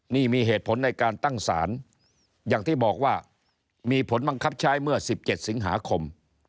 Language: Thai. นี่มีเหตุผลในการตั้งศาลอย่างที่บอกว่ามีผลบังคับใช้เมื่อ๑๗สิงหาคม